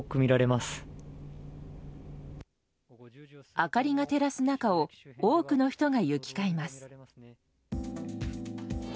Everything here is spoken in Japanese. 明かりが照らす中を多くの人が行き交います。